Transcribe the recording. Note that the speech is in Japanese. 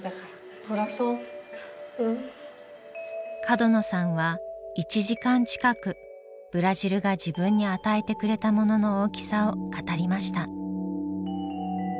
角野さんは１時間近くブラジルが自分に与えてくれたものの大きさを語りました。